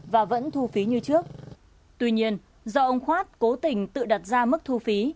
với mức thu phí như trước tuy nhiên do ông khoát cố tình tự đặt ra mức thu phí